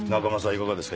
いかがですか？